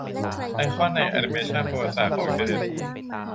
ไอคอนใน แอนิเมชัน "ประวัติศาสตร์ของอินเทอร์เน็ต"